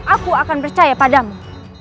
aku akan percaya padamu